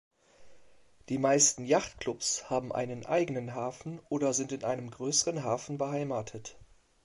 Die meisten Yachtclubs haben einen eigenen Hafen oder sind in einem größeren Hafen beheimatet.